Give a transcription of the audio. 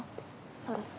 それ。